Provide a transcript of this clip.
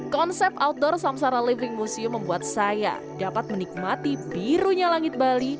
konsep outdoor samsara living museum membuat saya dapat menikmati birunya langit bali